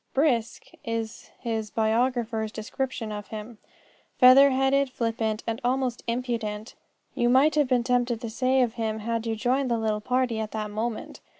"Brisk" is his biographer's description of him. Feather headed, flippant, and almost impudent, you might have been tempted to say of him had you joined the little party at that moment.